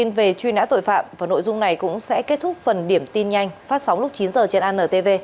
thông tin về truy nã tội phạm và nội dung này cũng sẽ kết thúc phần điểm tin nhanh phát sóng lúc chín h trên antv